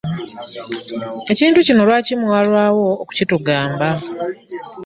Ekintu kino lwaki mwalwawo okukitugamba?